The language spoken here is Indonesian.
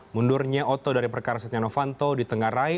mundurnya otoh dari perkara setia novanto di tengah rai